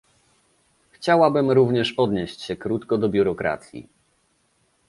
Chciałabym również odnieść się krótko do biurokracji